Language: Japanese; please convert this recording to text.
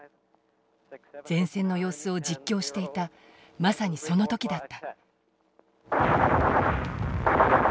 前線の様子を実況していたまさにその時だった。